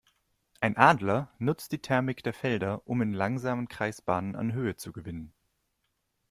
Ein Adler nutzt die Thermik der Felder, um in langsamen Kreisbahnen an Höhe zu gewinnen.